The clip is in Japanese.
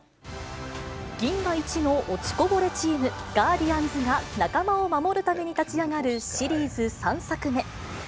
銀河一の落ちこぼれチーム、ガーディアンズが仲間を守るために立ち上がるシリーズ３作目。